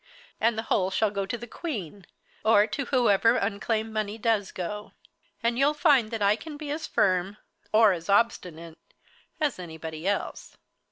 And the whole shall go to the Queen, or to whoever unclaimed money does go. And you'll find that I can be as firm or as obstinate as anybody else."